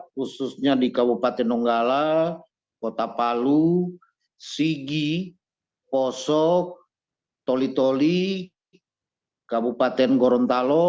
khususnya di kabupaten donggala kota palu sigi posok tolitoli kabupaten gorontalo